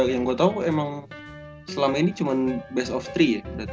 yang gue tau emang selama ini cuma best of tiga ya berarti